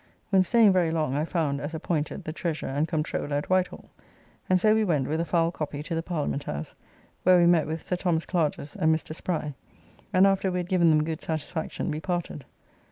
When staying very long I found (as appointed) the Treasurer and Comptroller at Whitehall, and so we went with a foul copy to the Parliament house, where we met with Sir Thos. Clarges and Mr. Spry, and after we had given them good satisfaction we parted.